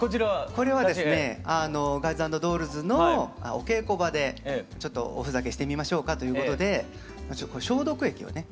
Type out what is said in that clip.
これはですね「ガイズ＆ドールズ」のお稽古場でちょっとおふざけしてみましょうかということで消毒液をね